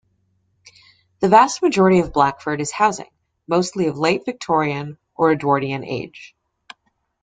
The vast majority of Blackford is housing, mostly of late Victorian or Edwardian age.